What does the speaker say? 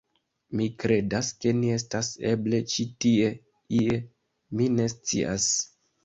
Mi kredas, ke ni estas eble ĉi tie ie... mi ne scias...